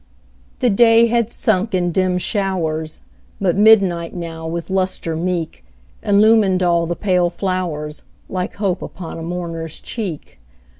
The day had sunk in dim showers, But midnight now, with lustre meek, Illumined all the pale flowers, Like hope upon a mourner's cheek.